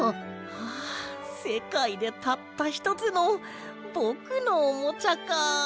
あせかいでたったひとつのぼくのおもちゃか。